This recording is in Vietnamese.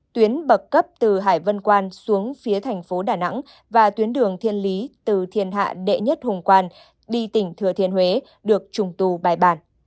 tuyến bậc cấp từ hải vân quan xuống phía thành phố đà nẵng và tuyến đường thiên lý từ thiên hạ đệ nhất hùng quan đi tỉnh thừa thiên huế được trùng tu bài bản